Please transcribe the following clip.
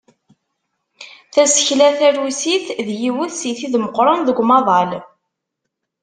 Tasekla tarusit d yiwet si tid meqqren deg umaḍal.